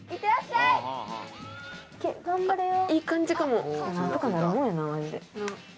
いい感じかも。